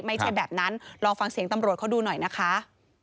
ไม่ใช่แบบนั้นลองฟังเสียงตำรวจเขาดูหน่อยนะคะ